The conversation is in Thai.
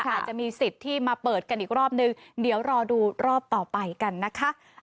อาจจะมีสิทธิ์ที่มาเปิดกันอีกรอบนึงเดี๋ยวรอดูรอบต่อไปกันนะคะ